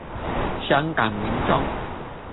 香港民眾